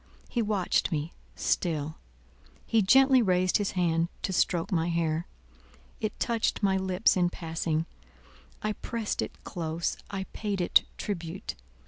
He watched me, still; he gently raised his hand to stroke my hair; it touched my lips in passing; I pressed it close, I paid it tribute.